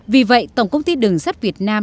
vì vậy tổng công ty đường sắt việt nam